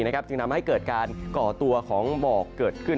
นางนั้นก็จะให้เกิดการก่อตัวของหมอกเกิดขึ้น